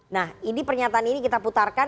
nah ini pernyataan ini kita putarkan